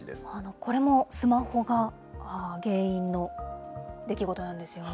これもスマホが原因の出来事なんですよね。